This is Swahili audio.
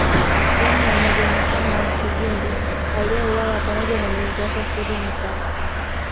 Zamu ya Meja Muhammad Kigundu aliyeuwa pamoja na mlinzi wake Steven Mukasa